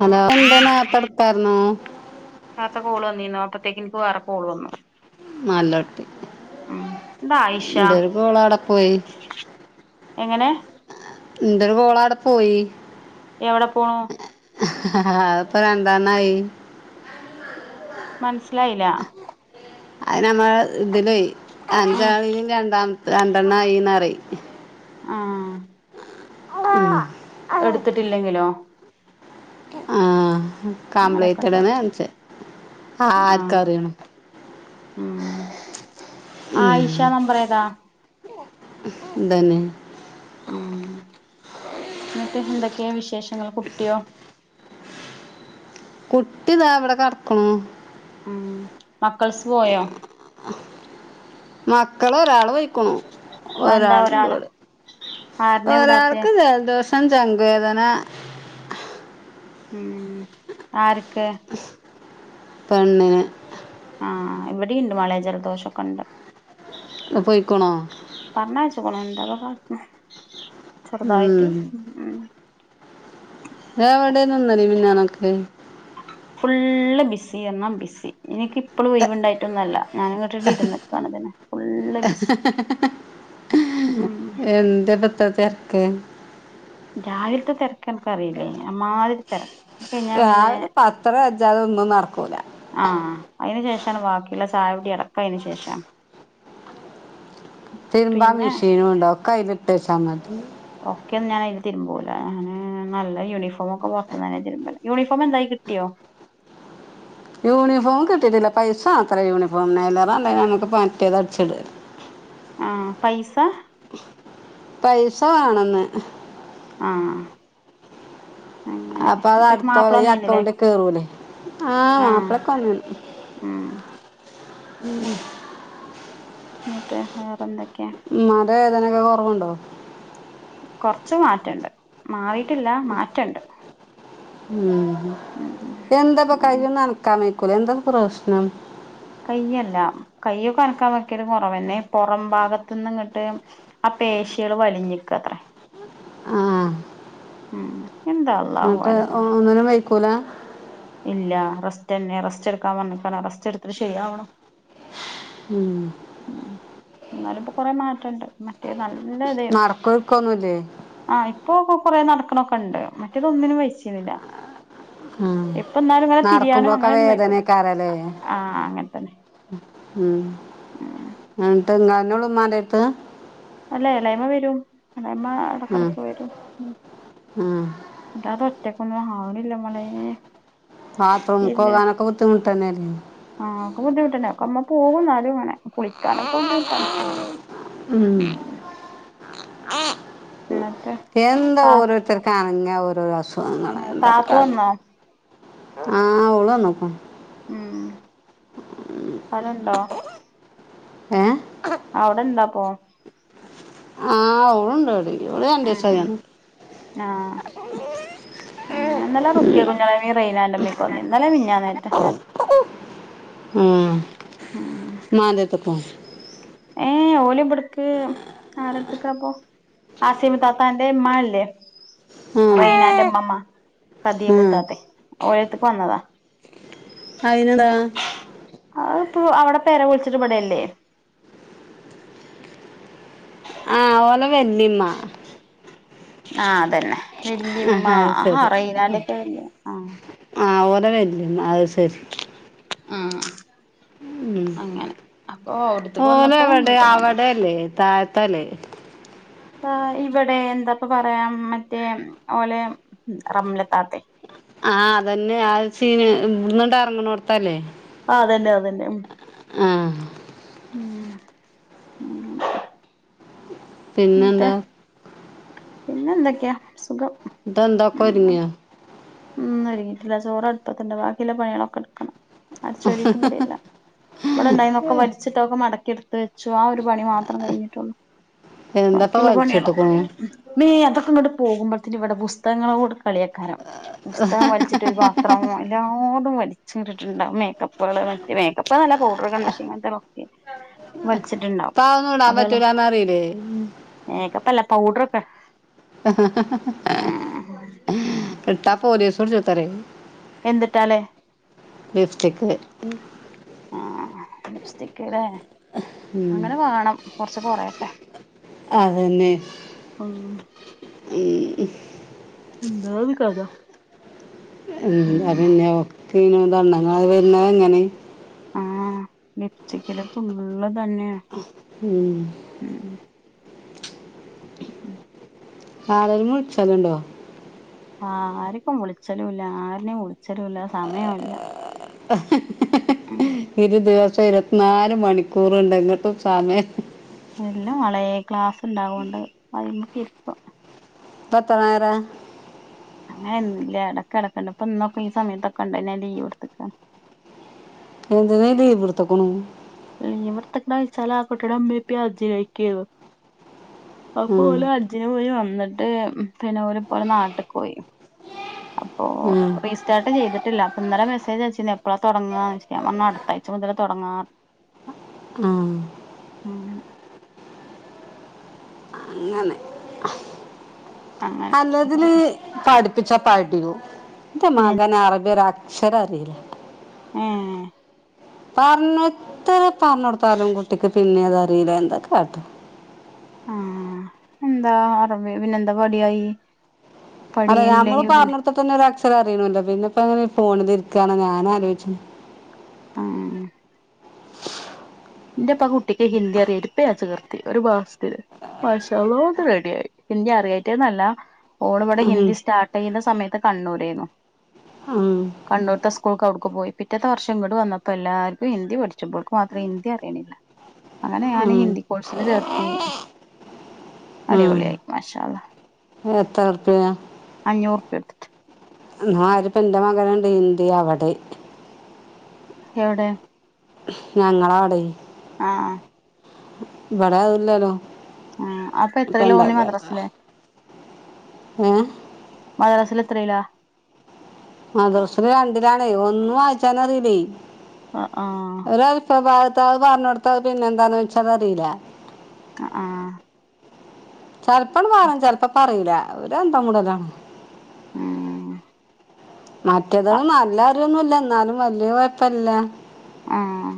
Hello എന്താ നേറ്ത്തെ ഇട്ക്കായിര്ന്നു നേരത്തെ കോള് വന്നീന്നൊ അപ്പത്തേക്ക് ഇൻക്ക് വേറെ കോള് വന്നു നാലിലോട്ട് ഉം എന്താ ആയിഷ ഇന്റോര് കോള് അവ്ടെ പോയി എങ്ങനെ ഇന്റോര് കോള് അവടെ പോയി എവടെ പോണു അത്പ്പോ രണ്ടെണ്ണായി മനസ്സിലായില്ല അത് നമ്മളെ ഇതില് ഉം അഞ്ചാളതും രണ്ടാമ രണ്ടെണ്ണ ആയി പറയും ആഹ് [inaudible] എടുത്തിട്ടില്ലെങ്കിലോ ആഹ് അങ്ങനെയൊക്കെ ഉണ്ടോ കംപ്ലീറ്റഡ്ന്ന് കാണിച്ചേ ആഹ് ആർക്കറിയണ് ഉം ആയിഷ മെമ്പർ ഏതാ ഇതന്നെ ഉം എന്നിട്ട് എന്തൊക്കെയാ വിശേഷങ്ങള് കുട്ടിയോ കുട്ടി ഇതാ ഇവിടെ കിടക്ക്ണു ഉം മക്കള്സ് പോയോ മക്കള് ഒരാള് പൊയ്ക്കുണു അതെന്താ ഒരാള്ണ്ട് ഒരാള് ഇവടെ ആരനെ വിടാത്തെ ഒരാൾക്ക് ജലദോഷം ചങ്ക് വേദന ഉം ആർക്ക് പെണ്ണിന് ആഹ് ആഹ് ഇവിടെ ഉണ്ട് മാളെ ജലദോശം ഒക്കെ ഇണ്ട് ഇപ്പം പോയിക്ക്ണോ പറഞ്ഞയിച്ച്ക്ക്ണ് എന്താപ്പം കാട്ട്ണ് ചെറുതായിട്ട് ഉം ഉം നിങ്ങൾ എവിടെണ് ഉള്ളത് പിന്നെ നമുക്ക് ഫുള്ള് ബിസി എന്നാ ബിസി എനിക്ക് ഇപ്പളും ഒഴിവ്ണ്ടായിട്ടൊന്നും അല്ല ഞാന് ഇങ്ങട്ട് ഇരുന്ന്ക്കാണ് ഇതിന് ഫുള്ള് ബിസി എ. ഉം എന്താ ഇപ്പൊ ഇത്ര തെ രക്ക് രാവിലത്തെ തിരക്ക് അനക്ക് അറിയില്ലേ അമ്മാതിരി തിരക്ക് അത് കഴിഞ്ഞാ പിന്നെ രാവിലെ ഇപ്പം അത്ര വയ്യാതെ ഒന്നും നടക്കൂല ആഹ് അതിനു ശേഷാണ് ബാക്കിയുള്ള ചായ കുടി അടക്കം അതിന് ശേഷാണ് തരുമ്പാ പിന്നെ മെഷീനും ഇണ്ട് ഒക്കെ അയില്ട്ടേച്ചാമതി ഓക്കെ ഞാന് അതില് തിരുമ്പൂലാ ഞാന് നല്ല യൂണിഫോമൊക്കെ പൊറത്ത്ന്ന് തന്നെ തിരുമ്പല് യൂണിഫോം എന്തായി കിട്ടിയോ യൂണിഫോം കിട്ടിയിട്ടില്ല പൈസ മേണത്രെ യൂണിഫോമിന് അയിലേറെ നല്ല നമുക്ക് ഇപ്പം മറ്റേത് അടിച്ചിട് ആയിരുന്നു [inaudible] ആഹ് പൈസ പൈസ വേണംന്ന് ആഹ് അങ്ങനെ അപ്പൊ അത് എന്നിട്ട് അടുത്ത മാപ്പിള കൊല്ലം ഈ വന്നീന്നില്ലേ അക്കൗണ്ടിക്കേറൂലേ ആഹ് മാപ്പളൊക്കെ വന്നു ആഹ് ഉം എന്നിട്ട് വേറെ എന്തൊക്കെയാ ഉമ്മാടെ വേദനയൊക്കെ കുറവുണ്ടോ കൊറച്ച് മാറ്റണ്ട് മാറിട്ടില്ല മാറ്റമുണ്ട് ഉം എന്താ ഇപ്പം അങ്ങനെ കയ്യൊന്ന് അനക്കാന് [unintelligible] എന്താ പ്രശ്ണം കയ്യല്ല കയ്യൊക്കെ അനക്കാതിരിക്കല് കുറവ് തന്നെ പുറം ഭാഗത്ത് നിന്നും ഇങ്ങട്ട് ആ പേശിയാള് വലിഞ്ഞ്ക്കാത്രേ ആഹ് ഉം എന്താ അള്ളാഹു ആലം മളെ ക്കൂലാ ഇല്ല റസ്റ്റന്നെ റസ്റ്റ് എടുക്കാൻ വന്നിക്കാണ് റസ്റ്റ് എടുത്തിട്ട് ശരിയാവണം ഉം ഉം ന്നാലും ഇപ്പോ കൊറേ മാറ്റണ്ട് മറ്റേത് നല്ല തേയ്ന്നു നടക്കൊരുക്കൊന്നുല്ലേ ആഹ് ഇപ്പൊ കൊറേ നടക്ക്ണൊക്കെണ്ട് മറ്റേതൊന്നിനും വെയ്ച്ചിരുന്നില്ല ഉം തിരിയാനോ നടക്കുമ്പോഴൊക്കെ അങ്ങനെയൊന്നും വൈക്കൂല വേദനയ്ക്കാരംലേ ആഹ് അങ്ങനെ തന്നെ ഉം ഉം എന്നിട്ട് നിങ്ങളന്നെ ഒളളു ഉമ്മാന്റടുത്ത് അല്ല എളേമ്മ വരും എളേമ്മ ഉം എടക്കടക്ക് വരും ഉം ഉം അല്ലാതെ ഒറ്റക്കൊന്നും ആവണില്ല മളേ ബാത്ത്റൂംക്ക് പോകാനൊക്ക ബുദ്ധിമുട്ടന്നെയല്ലെ ആഹ് ഒക്കെ ബുദ്ധിമുട്ടന്നെ ഒക്കെ ഉമ്മ പോകും എന്നാലും കുളിക്കാനൊക്കെ ബുദ്ധിമുട്ടാണ് ഉം എന്നിട്ട് എന്താ താ ഓരോരുത്തർ ക്കങ്ങനെ ഓരോരോ അസുഖങ്ങള് താത്തു എന്താപ്പകാട്ട്ണു വന്നോ ആഹ് ഓളന്ന്ക്കുണു ഉം അവിടണ്ടോ ഏഹ് അവിടെണ്ടപ്പോ ആഹ് ഓളുണ്ടോടി ആഹ് ആഹ് ആഹ് ഇന്നലെ റുക്യകുഞ്ഞാമ്മീം റയ്നാൻ്റെമ്മിയൊക്കെ വന്നിരുന്നു ഇന്നലയും മിൻഞ്ഞാന്നേറ്റേ ഉം ഉമ്മാൻ്റടുത്ക്കോ ഏഹ് ഓല്ബട്ക്ക് ആരെട്ത്ത്ക്കാപ്പൊ അസ്യാമു താത്താൻ്റെ ഉമ്മാല്ലേ ഉം റൈനാന്റെ ഉമ്മമ്മ ഉം കതിയാമുത്താത്തെ ഓരടുത്ത്ക്ക് വന്നതാ അയ്നെന്താ അത്‌പ്പൊ അവിടെ പെര പൊളിച്ചിട്ട് ഇവിടെയല്ലേ ആഹ് ഓളെ വല്ലിമ്മ ആഹ് അതന്നെ വല്ലിമ്മ ആഹാ അത് ആഹ് റൈലാന്റൊക്കെ വല്ലിമ്മ ആഹ് ആഹ് ഓലെ വല്ലിമ്മ അത് ശരി ആഹ് ഉം അവിടത്തേക്ക് വന്നപ്പോ ഓലെവിടെ ഇങ്ങട്ടും വന്ന് അവിടെല്ലേ താഴത്തല്ലേ ആഹ് ഇവിടെ എന്താപ്പ പറയാ മറ്റേ ഓലെ റംലതാത്തെ ആഹ് അതന്നെ ആഹ് സീന് ഇവിടുന്നങ്ങട്ട് എറങ്ങണോട്ത്തല്ലേ ആഹ് അതന്നെ അതന്നെ ഉം ആഹ് ഉം അ [inaudible] ന്നിട്ടെ പിന്നെന്താ പിന്നെ എന്തൊക്കെയാ സുഖം ഇതെന്താ ഒക്കെ ഒരുങ്ങിയാ ഉം ഒരുങ്ങിട്ടില്ല ചോറ് അടുപ്പത്തിണ്ട് ബാക്കിയുള്ള പണികളൊക്കെ എടുക്കണം അട്ച്ചോരീറ്റ് കൂടില്ല ഇവിടെണ്ടായിന്നൊക്കെ വലിച്ചിട്ടൊക്കെ മടക്കിയെടുത്ത് വെച്ചു ആ ഒരു പണി മാ ത്രം കഴിഞ്ഞിട്ടുള്ളൂ എന്താപ്പ ബാക്കിയുള്ള പണിയാള് വലിച്ചിട്ടക്കണു മീ അതൊക്കെ ഇങ്ങട്ട് പോകുമ്പോഴത്തിന് ഇവിടെ പുസ്തകങ്ങളോടെ കളിയയ്ക്കാരം പുസ്തകം വൽ ചിട്ടൊരു പാത്രം എല്ലാതും വലിച്ച് ഇങ്ങട്ട്ട്ടിട്ടുണ്ടാവും [unintelligible] [unintelligible] മേക്കപ്പ്ന്നല്ല പൗഡറ് കൺമഷി ഇങ്ങനത്തെക്കെ ഇപ്പാതൊന്നും ഇടാൻ പറ്റൂലാന്നറിയില്ലെ മേക്കപ്പല്ല പൗഡറൊക്കെ ഉം ഇട്ടാ പോലീസുടിച്ചൊത്ത് പറയും എന്തിട്ടാല് ലിപ്സ്റ്റിക് [inaudible] ആഹ് ലിപ്സ്റ്റിക്കല്ലേ അങ്ങനെ വേണം കൊറച്ച് കൊറയട്ടെ ഉം ഉംഹ് എന്താരു കഥാ [unintelligible] എന്താ വരുന്നത് അങ്ങനെ ആഹ് ലിപ്സ്റ്റിക്കില് ഫുള്ള് തന്നെയ ഉം ഏഹ് [unintelligible] ആഹ് ആർക്കും വിളിച്ചലും ഇല്ല ആരനെയും വിളി ച്ചലും ഇല്ല സമയവും ഇല്ല ഒരു ദിവസം ഇരുപത്തിനാല് മണിക്കൂറ് ഉണ്ട് എന്നിട്ടും സമയില്ല അല്ല മോളെ ക്ലാസ് ഉണ്ട് അതോണ്ട് ഐമക്ക് ഇരിപ്പാ ഇപ്പെത്ര നേരാ അങ്ങനല്ല ഇടക്ക് ഇടക്കുണ്ട് ഇപ്പൊ ഇന്നൊക്കെ ഈ സമയത്തക്കെണ്ട ഞാൻ ലീവെടുത്തുക്കാ എന്തിനാ ലീവെടുത്തേക്കണു ലീവെടുത്തെക്കാ വെച്ചാല് ആഹ് കുട്ടിയുടെ ഇമ്മേം ഇപ്പേം [unintelligible] അപ്പൊ ഉം, ഓല് ഹജ്ജിന് പോയി വന്നിട്ട് ഓര് പിന്നെ ഓരിപ്പൊ നാട്ടിക്ക് പോയി അപ്പൊ ഉം റീസ്റ്റാർട്ട് ചെയ്തിട്ടില്ല അപ്പം ഇന്നലെ മെസ്സേജ് അയച്ചീന് എപ്പോളാ തൊടങ്ങാന്ന് ചോയിച്ച് അപ്പൊ ഞാൻ പറഞ്ഞ് അടുത്താഴ്ച മുതല് തുടങ്ങാ ഉംഹ് ഉം അങ്ങനെ അങ്ങനെ അല്ലതില് പഠിപ്പിച്ചാ പടിയോ എന്റെ പിന്നെ മകന് അറബി ഒരക്ഷരം അറിയില്ല ഏഹ് പറഞ്ഞെത്ര പറഞ്ഞൊടുത്താലും കുട്ടിക്ക് പിന്നെയത് അറിയില്ല എന്താകാട്ട ആഹ് എന്താ അറബി പിന്നെന്താ മടിയായി അല്ലേ ഞമ്മള് പറഞ്ഞൊടുത്ത തന്നെ ഒരു അക്ഷരം അറിയണോല്ലോ പിന്നെ ഇപ്പോ എങ്ങനെയാ ഫോണിൽ ഇരിക്കാന്നാണ് ഞാനാലോചിച്ചെ ആഹ് എന്റെ ഇപ്പ കുട്ടിക്ക് ഹിന്ദി അറിയാട്ടിപ്പോ ചേർത്തി ഒരു മാസത്തിൽ ഭാഷളോ ഒക്കെ റെഡി ആയി ഹിന്ദി അറിയഞ്ഞിട്ട്ന്നല്ല ഓള് ഇവിടെ ഉം, ഹിന്ദി സ്റ്റാർട്ട് ചെയ്യുന്ന സമയത്ത് കണ്ണൂരായിരുന്നു ഉം കണ്ണൂർത്തെ സ്കൂൾക്ക് അവിടുക്ക് പോയി പിറ്റത്തെ വർഷം ഇങ്ങട്ട് വന്നപ്പോ എല്ലർക്കും ഹിന്ദി പഠിച്ച് ഇവൾക്ക് മാത്രം ഹിന്ദി അറിയു അങ്ങനെ ഞാൻ ഉം, ഹിന്ദി കോഴ്സിന് ചേർത്തീന് ഉം. അടിപൊളി ആയി മാഷാ അള്ളാ എത്ര ഉറുപ്പ്യ അഞ്ഞൂറ് റുപ്പ്യയ കൊടുത്തിട്ട് എന്നാല് ഇപ്പൊ എൻ്റെ മകന് ഇണ്ട് ഹിന്ദി അവിടെ എവടെ ഞങ്ങളെ അവിടെ- ആഹ് ആഹ് ഇവിടെ അതില്ലല്ലോ ആഹ് അപ്പൊ ഇപ്പം എത്രയിലാ എന്താ ഓന് മദ്രസയില് ഏഹ് മദ്റസീല് എത്രയില മദ്രസയെല് രണ്ടിലാണേയ് ഒന്നും വായിച്ചാനറീല്ലേ. ആഹ് ആഹ് ഒരു അൽഫ് ബാഹ് താഹ് പറഞ്ഞ് കൊടുത്താ അഹ് പിന്നെ എന്താന്ന് ചോയ്‌ച്ചാ അത് അറിയില്ല ആ ആഹ് ചെലപ്പം പറയും ചെലപ്പം പറയൂല. ഒരു അന്തോം കൂടുതലാണ്. ഏഹ് മറ്റേതിന് നല്ല അറിവൊന്നുല്ല എന്നാലും വല്യ കൊഴപ്പല്യ. ആഹ്.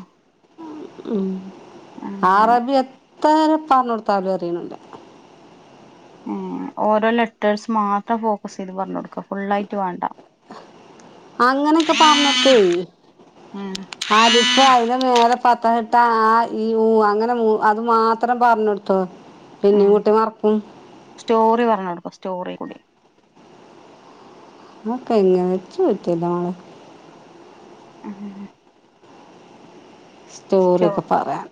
അങ്ങനെ അറബി എത്ര പറഞ്ഞു കൊടുത്താലു അറിയണീല്ല. ഏഹ് ഓരോ ലെറ്റേഴ്സ് മാത്രം ഫോക്കസ് ചെയ്ത് പറഞ്ഞു കൊടുക്കും ഫുള്ളായിറ്റ് വേണ്ട. അങ്ങനെയൊക്കെ പറഞ്ഞു കൊടുത്തേ ഉം അലിഫ് അയിന് മേലെ ഫത്തഹിട്ട ആ ഈ ഊ അങ്ങനെ അത് മാത്രം പറഞ്ഞൊടുത്തോ ഉം പിന്നേം കുട്ടി മറക്കും. സ്റ്റോറി പറഞ്ഞു കൊടുക്കും സ്റ്റോറീം കൂടി. അഹ് ക്കെ എങനെ ഇച്ച് പറ്റൂല്ല മോളെ ഏഹ്. [unintelligible] സ്റ്റോ സ്റ്റോറിയൊക്കെ പറയാം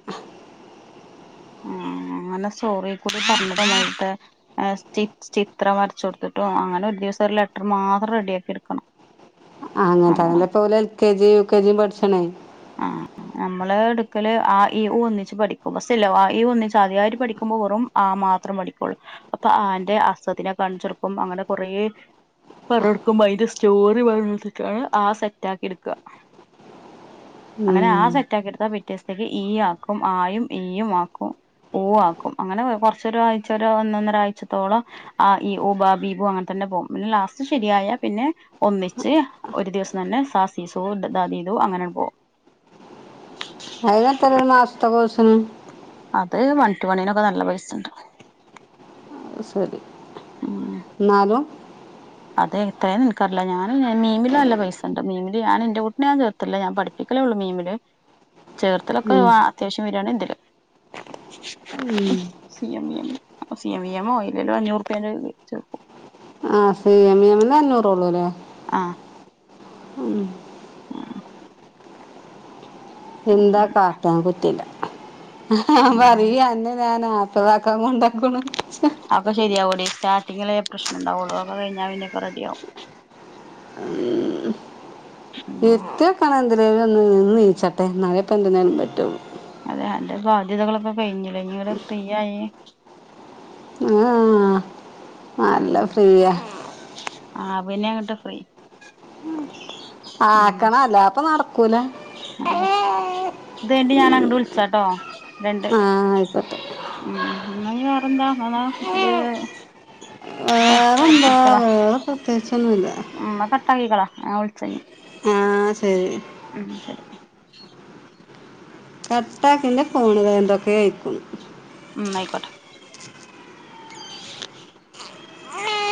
ആഹ് അങ്ങനെ സ്റ്റോറിയെക്കൂടി പറഞ്ഞ് താ നേരുത്തെ ഏഹ് സ്റ്റിച് ചിത്ര വരച്ച് കൊടുത്തിട്ടോ അങ്ങനെ ഒരു ദിവസം ഒരു ലെറ്റർ മാത്രം റെഡിയാക്കി എടുക്കണം. ആഹ് നമ്മള അങ്ങനത്തെന്നല്ലേ ഇപ്പോ ഇവല് L K G U K ജിയും പഠിച്ണ്. ആഹ്. നമ്മള് എടുക്കല് ആ ഈ ഊ ഒന്നിച്ച് പഠിക്കും. ഫസ്റ്റില്ലേ വാ ഈ ഊ ഒന്നിച്ച് ആദ്യായിട് പഠിക്കുമ്പോ വെറും ആ മാത്രേ പഠിക്കുള്ളു. അപ്പൊ ആന്റെ അസദ്നെ കാണിച്ചൊടുക്കും. അങ്ങനെ കൊറേ പറഞ്ഞൊടുക്കുമ്പോ അതിന്റെ സ്റ്റോറി പറെഞ്ഞൊടുത്തിട്ടാണ് ആ സെറ്റാക്കി എടുക്കുക അങ്ങനെ ഉം ആ സെറ്റാക്കിയെടുത്താ പിറ്റേ ദെവസത്തേക്ക് ഈ ആക്കും. ആ യും ഈ യും ആക്കും. ഊ ആക്കും അങ്ങനെ കൊറച്ച് ഒരാരാഴ്ച വരെ ഒന്നൊന്നര ആഴ്ചത്തോളം അ ഇ ഉ ബ ബീ ബു അങ്ങനെ തന്നെ പോകും. പിന്നെ ലാസ്റ്റ് ശരിയായ പിന്നെ ഒന്നിച്ച് ഒരു ദിവസം തന്നെ സാ സീ സു ദ ദീ ദു അങ്ങനെ പോകും. അയിന് എത്രയാ ഒരു മാസത്തെ കോഴ്സിന്? അത് വൺ ടു വണിനൊക്കെ നല്ല പൈസ് ഇണ്ട്. ശരി ഉം എന്നാലും- അത് എത്രയാന്ന് എനിക്കറിയില്ല. ഞാൻ മീമില് നല്ല പൈസ് ഇണ്ട് മീമില് ഞാനെന്റെ കുട്ടിനെ ഞാൻ ചേർത്തില്ല ഞാൻ പഠിപ്പി പ്പിക്കലേ ഉള്ളൂ മീമില് ചേർത്തലൊക്കെ ഉം വാ അത്യാവശ്യം വെറുവാണേ എന്തേലും ഉം - C M E MC M E M പോയി ഇല്വരെ [unintelligible] ല്ലോ അഞ്ഞൂറ്പ്യെടേ ചേർക്കും. ആഹ് സി എം ഈ എം ല് അഞ്ഞൂറേ ഉള്ളൂല്ലേ ആഹ്. ഉം ആഹ്. എന്താ കാട്ടാൻ കുറ്റില്ല. ഉം പറയ അന്നെ ഞാനാ ഇപ്പതാക്കാ കൊണ്ടക്ക്ണു അപ്പോ ശരിയാവോടി. സ്റ്റാർട്ടിങ്ങിലേ പ്രശ്നുണ്ടാവുള്ളു ഒക്കെ കഴിഞ്ഞാൽ പിന്നൊക്കെ റെഡിയാവും. ഉം ഉം നിർത്ത- [unintelligible] ഒന്ന് നീച്ചാട്ടെ. ഇന്നലെ എന്തിനെ ലൊന്ന് പറ്റുള്ളു അതെ അന്റെ ബാധ്യതകളൊക്കെ കെയ്ഞ്ഞില്ലേ. ഇനിവിടെ ഫ്രീ ആയി ആഹ് നല്ല ഫ്രീയ ആവന്നെങ്ങട്ട് ഫ്രീ. ഉം ആക്കണ അല്ലാതപ്പ നടക്കൂല. അതെ. ഇത് കയിഞ്ഞണ്ട്ഞാൻ വിളിച്ചാട്ടോ രണ്ട് ആ ആയിക്കോട്ടെ ഉ ഇന്നാന്നി വേറെന്താ [unintelligible] വേറെന്താ കട്ടാക്കിക്കളാ വേറെ പ്രത്യേകിച്ചൊന്നുല്ല ഉം ന്നാ കട്ടാക്കിക്കളാ നാ വിളിച്ചനി ആഹ ശരി ഉം ശരി കട്ടാക്ക് ഇൻ്റെ ഫോൺ വെ എന്തൊക്കെ അയിക്കുന്നു ഉം ന്നാ ആയിക്കോട്ടോ [unintelligible]